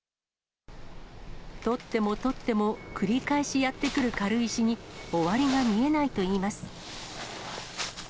取っても取っても、繰り返しやって来る軽石に、終わりが見えないといいます。